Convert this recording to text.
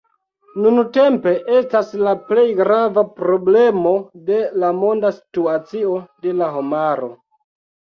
Nuntempe estas la plej grava problemo de la monda situacio de la homaro.